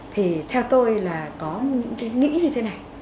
thì theo tôi là có những cái nghĩ như thế này